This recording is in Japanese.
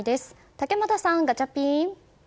竹俣さん、ガチャピン。